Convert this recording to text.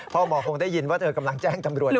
พ่อหมอคงได้ยินว่าเธอกำลังแจ้งตำรวจ